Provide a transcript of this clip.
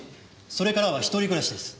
それからは一人暮らしです。